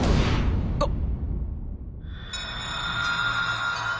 あっ。